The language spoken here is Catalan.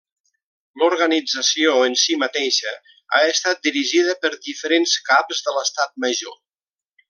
L'organització en si mateixa ha estat dirigida per diferents Caps de l'Estat Major.